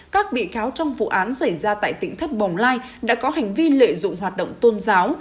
các bị cáo trong vụ án xảy ra tại tỉnh thất bồng lai đã có hành vi lợi dụng hoạt động tôn giáo